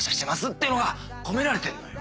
っていうのが込められてんのよ。